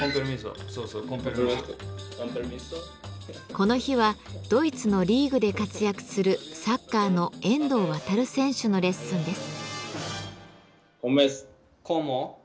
この日はドイツのリーグで活躍するサッカーの遠藤航選手のレッスンです。